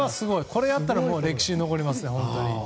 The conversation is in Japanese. これをやったら歴史に残りますね。